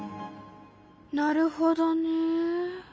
なるほどね。